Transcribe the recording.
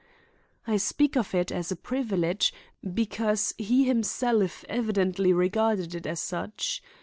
I speak of it as a privilege because he himself evidently regarded it as such.